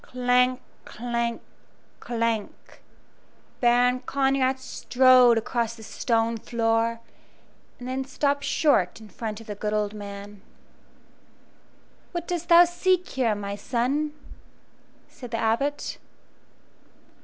Clank! clank! clank! Baron Conrad strode across the stone floor, and then stopped short in front of the good old man. "What dost thou seek here, my son?" said the Abbot.